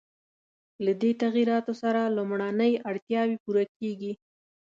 له دې تغییراتو سره لومړنۍ اړتیاوې پوره کېږي.